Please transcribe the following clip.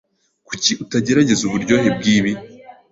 Kuki utagerageza uburyohe bwibi?